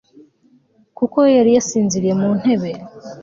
kuko yari yasinziriye mu ntebe